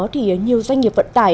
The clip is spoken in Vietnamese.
thì nhiều doanh nghiệp vận tải